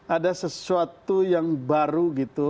ada sesuatu yang baru